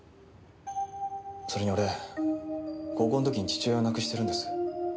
それに俺高校の時に父親を亡くしてるんです。